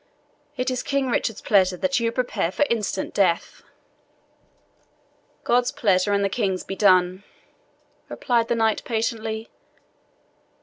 It is King Richard's pleasure that you prepare for instant death." "God's pleasure and the King's be done," replied the knight patiently.